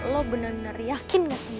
lo bener bener yakin ga sama gue